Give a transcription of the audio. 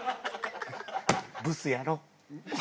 ブスやろ？